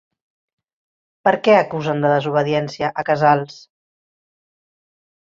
Per què acusen de desobediència a Casals?